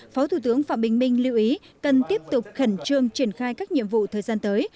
phó thủ tướng phạm bình minh lưu ý cần tiếp tục khẩn trương triển khai các nhiệm vụ thời gian tới